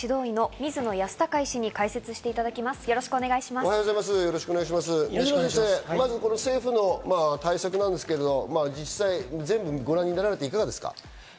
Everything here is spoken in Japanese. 水野先生、政府の対策ですけど、ご覧になられて、いかがですか？